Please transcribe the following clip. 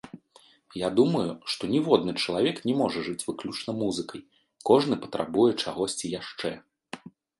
Я думаю, што ніводны чалавек не можа жыць выключна музыкай, кожны патрабуе чагосьці яшчэ.